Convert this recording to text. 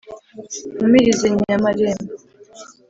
mpumurize nyamarembo